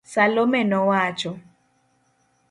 Salome nowacho